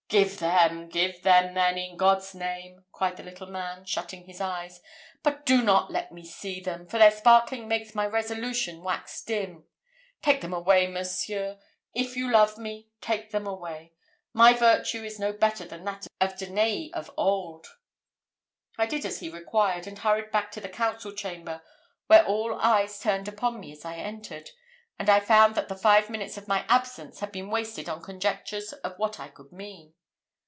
"Give them, give them then, in God's name!" cried the little man, shutting his eyes; "but do not let me see them, for their sparkling makes my resolution wax dim. Take them away, monseigneur! if you love me, take them away. My virtue is no better than that of Danäe of old." I did as he required, and hurried back to the council chamber, where all eyes turned upon me as I entered; and I found that the five minutes of my absence had been wasted on conjectures of what I could mean.